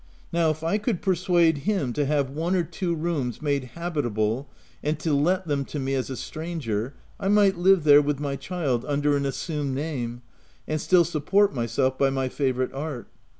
Now if I could persuade him to have one or two rooms made habitable and to let them to me as a stranger, I might live there, with my child, under an assumed name, and still support myself by my favourite art.